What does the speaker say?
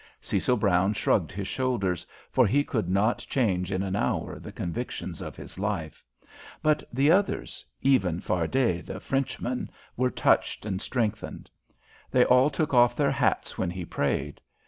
Cecil Brown shrugged his shoulders, for he could not change in an hour the convictions of his life; but the others, even Fardet, the Frenchman, were touched and strengthened. They all took off their hats when he prayed.